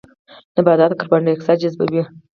نباتات کاربن ډای اکسایډ جذبوي